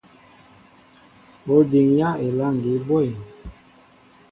Ó diŋyá elâŋgi bwɛ̂m ?